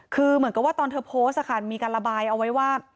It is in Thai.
คือเหมือนกับว่าตอนเธอโพสต์มีการระบายเอาไว้ว่า